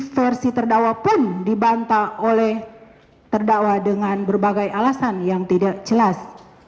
versi terdakwa pun dibantah oleh terdakwa dengan berbagai alasan yang tidak jelas